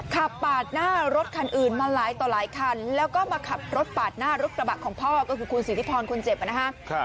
ขับปาดหน้ารถคันอื่นมาหลายต่อหลายคันแล้วก็มาขับรถปาดหน้ารถกระบะของพ่อก็คือคุณสิทธิพรคนเจ็บนะฮะ